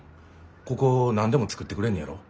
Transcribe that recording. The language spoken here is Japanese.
ここ何でも作ってくれんねやろ？